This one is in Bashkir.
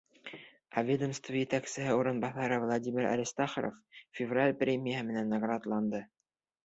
Ә ведомство етәксеһе урынбаҫары Владимир Аристархов федераль премия менән наградланды.